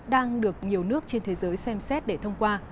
đang được nhiều nước trên thế giới xem xét để thông qua